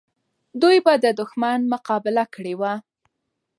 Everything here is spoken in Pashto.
دوی به د دښمن مقابله کړې وه.